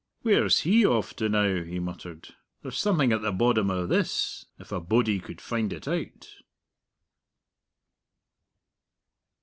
"Where's he off to now?" he muttered. "There's something at the boddom o' this, if a body could find it out!"